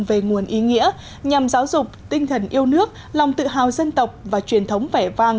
về nguồn ý nghĩa nhằm giáo dục tinh thần yêu nước lòng tự hào dân tộc và truyền thống vẻ vang